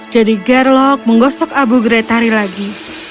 jadi gerlok menggosok abu geretari lagi